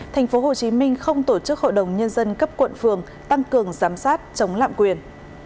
tp hcm không tổ chức hội đồng nhân dân cấp quận phường tăng cường giám sát chống lạm quyền